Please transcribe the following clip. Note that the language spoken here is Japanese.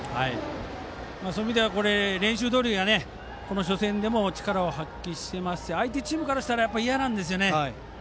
そういう意味では練習どおりのことを初戦でも発揮していますし相手チームからしたらやっぱり嫌なんですよね。